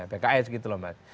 pks gitu loh mas